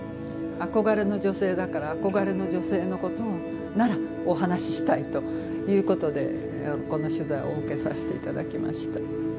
憧れの女性だから憧れの女性のことならお話ししたいということでこの取材をお受けさせて頂きました。